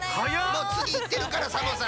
もうつぎいってるからサボさん。